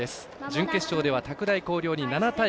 準決勝では拓大紅陵に７対５。